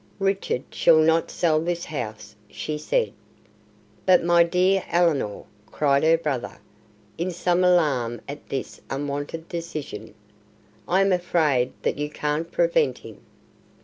"Richard shall not sell this house," she said. "But, my dear Ellinor," cried her brother, in some alarm at this unwonted decision, "I am afraid that you can't prevent him."